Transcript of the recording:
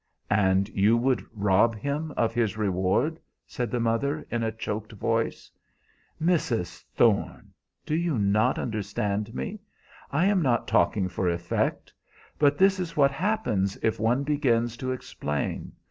"And you would rob him of his reward?" said the mother, in a choked voice. "Mrs. Thorne! Do you not understand me? I am not talking for effect. But this is what happens if one begins to explain.